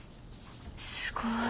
すごい。